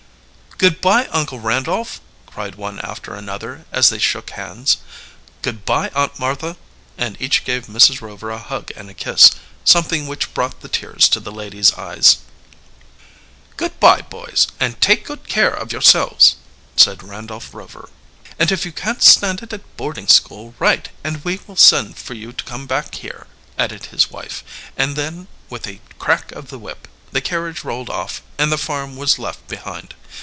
"Good by, Uncle Randolph!" cried one after another, as they shook hands. "Good by, Aunt Martha!" and each gave Mrs. Rover a hug and a kiss, something which brought the tears to the lady's eyes. "Good by, boys, and take good care of yourselves," said Randolph Rover. "And if you can't stand it at boarding school, write, and we will send for you to come back here," added his wife; and then, with a crack of the whip, the carriage rolled off, and the farm was left behind.